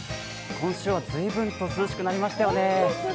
今週は随分と涼しくなりましたよね。